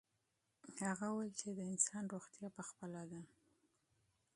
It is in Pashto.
هغه وویل چې د انسان روغتیا په خپله ده.